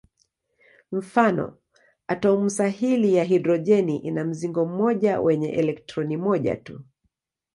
Mfano: atomu sahili ya hidrojeni ina mzingo mmoja wenye elektroni moja tu.